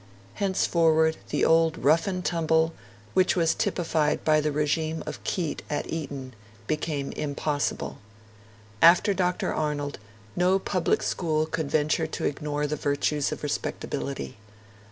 Henceforward the old rough and tumble, which was typified by the regime of Keate at Eton, became impossible. After Dr. Arnold, no public school could venture to ignore the virtues of respectability.